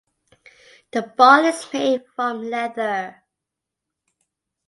The ball is made from leather.